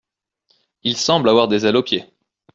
Il semble avoir des ailes aux pieds.